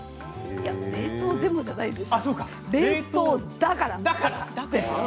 いや、冷凍でもじゃないですよ、冷凍だからよ。